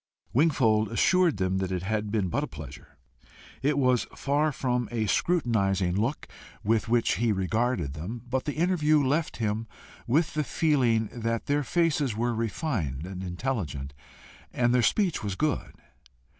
Wingfold assured them it had been but a pleasure. It was far from a scrutinizing look with which he regarded them, but the interview left him with the feeling that their faces were refined and intelligent, and their speech was good.